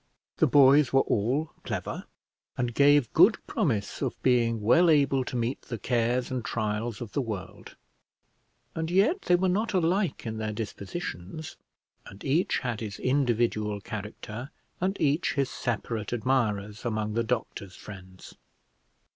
The boys were all clever, and gave good promise of being well able to meet the cares and trials of the world; and yet they were not alike in their dispositions, and each had his individual character, and each his separate admirers among the doctor's friends.